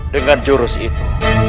dengan jurus itu